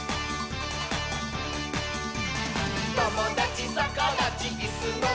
「ともだちさかだちいすのまち」